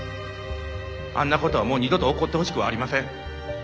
あんなことはもう二度と起こってほしくはありません。